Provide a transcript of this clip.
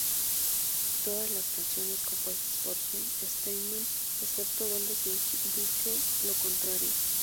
Todas las canciones compuestas por Jim Steinman, excepto donde se indique lo contrario.